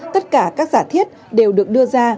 tất cả các giả thiết đều được đưa ra